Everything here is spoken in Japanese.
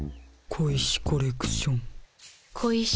小石コレクション。